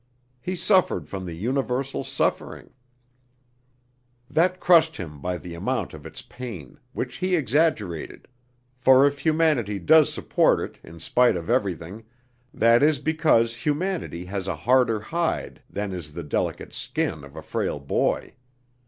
He suffered from the universal suffering. That crushed him by the amount of its pain, which he exaggerated: for if humanity does support it in spite of everything, that is because humanity has a harder hide than is the delicate skin of a frail boy.